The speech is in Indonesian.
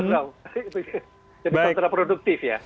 jadi kontra produktif ya